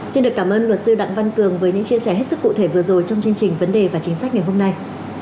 xin được cảm ơn luật sư đặng văn cường với những chia sẻ hết sức cụ thể vừa rồi trong chương trình vấn đề và chính sách ngày hôm nay